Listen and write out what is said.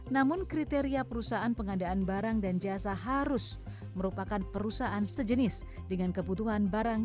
namun kriteria perusahaan pengadaan barang dan jasa harus merupakan perusahaan sejenis dengan kebutuhan barang